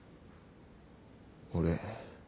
俺